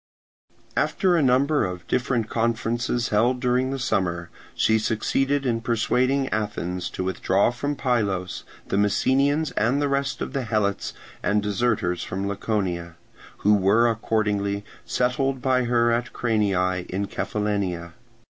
After a number of different conferences held during the summer, she succeeded in persuading Athens to withdraw from Pylos the Messenians and the rest of the Helots and deserters from Laconia, who were accordingly settled by her at Cranii in Cephallenia.